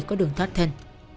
có đường thoát thân